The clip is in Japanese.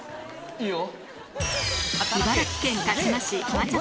いいよ。